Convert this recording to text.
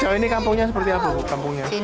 jauh ini kampungnya seperti apa